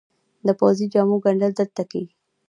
د پوځي جامو ګنډل دلته کیږي؟